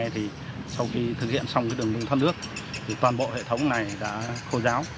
toàn bộ hệ thống này đã khô ráo